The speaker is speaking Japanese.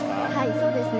そうですね。